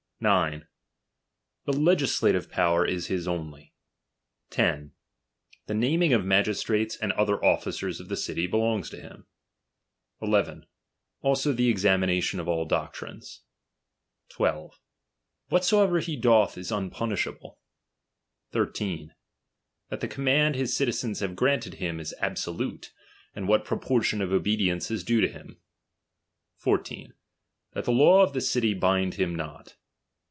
9. The legisla tive power is hia only. 10, The naming of magistrates and other officers of the city lielongs to him. 11. Also the exami nation of all doctrines. 12. Whatsoever he doth is unpunish able. 13. That the command his citizens have granted is absolute, and what proportion of obedience is due to him. 14, Tliatthe laws of the city bind htm not.